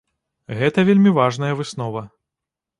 Гэта вельмі важная выснова.